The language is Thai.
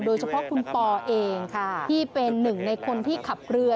โดยเฉพาะคุณปอเองที่เป็นหนึ่งในคนที่ขับเรือ